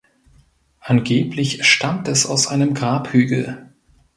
Angeblich stammt es aus einem Grabhügel.